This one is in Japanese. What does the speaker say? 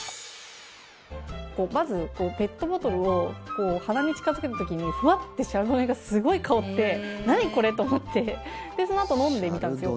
まず、ペットボトルを鼻に近付けた時にふわってシャルドネがすごい香って何これ？と思ってそのあと飲んでみたんですよ。